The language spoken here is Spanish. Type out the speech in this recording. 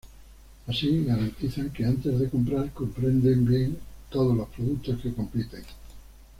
Así garantizan que, antes de comprar, comprenden bien todos los productos que compiten.